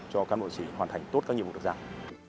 cho cán bộ chiến sĩ hoàn thành tốt các nhiệm vụ được dạng